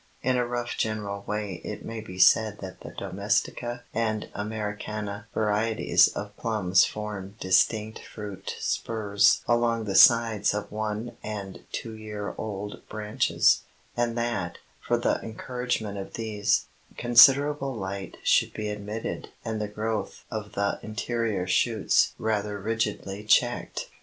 In a rough general way it may be said that the Domestica and Americana varieties of plums form distinct fruit spurs along the sides of one and two year old branches, and that, for the encouragement of these, considerable light should be admitted and the growth of the interior shoots rather rigidly checked.